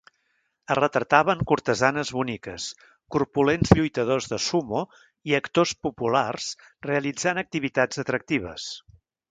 Es retrataven cortesanes boniques, corpulents lluitadors de sumo i actors populars realitzant activitats atractives.